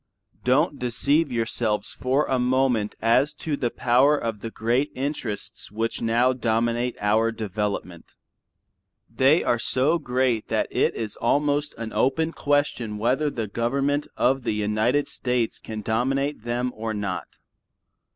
Don't deceive yourselves for a moment as to the power of the great interests which now dominate our development. They are so great that it is almost an open question whether the government of the United States can dominate them or not.